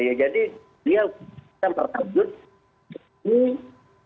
ya jadi dia tampak takut